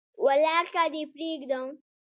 ولاکه دي پریږدم